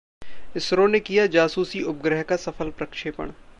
इसरो ने किया जासूसी उपग्रह का सफल प्रक्षेपण